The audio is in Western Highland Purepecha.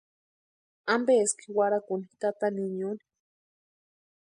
¿Ampeski warhakuni tata niñuni?